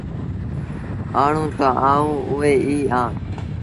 آڻو تا آئوٚنٚ اوٚ ئيٚ اهآنٚ۔